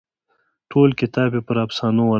ټول کتاب یې پر افسانو ولاړ دی.